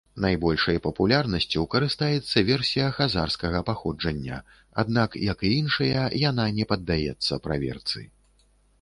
Найбольшай папулярнасцю карыстаецца версія хазарскага паходжання, аднак, як і іншыя, яна не паддаецца праверцы.